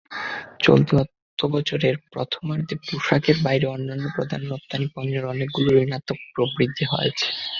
চলতি অর্থবছরের প্রথমার্ধে পোশাকের বাইরে অন্য প্রধান রপ্তানি পণ্যের অনেকগুলোর ঋণাত্মক প্রবৃদ্ধি হয়েছে।